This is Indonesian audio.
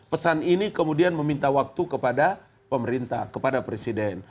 pesan ini kemudian meminta waktu kepada pemerintah kepada presiden